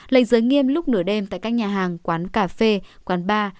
lệnh giới nghiêm lúc nửa đêm tại các nhà hàng quán cà phê quán bar